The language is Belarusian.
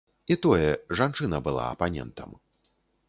І тое, жанчына была апанентам.